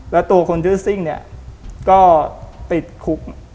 แล้วตัวคนชื่อซิ่งเนี่ยก็ติดคุก